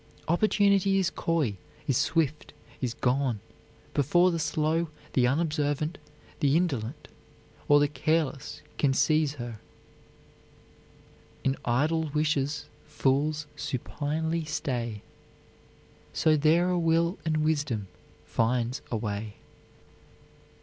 Opportunity is coy, is swift, is gone, before the slow, the unobservant, the indolent, or the careless can seize her: "In idle wishes fools supinely stay: Be there a will and wisdom finds a way."